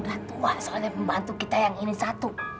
sudah tua soalnya pembantu kita yang ini satu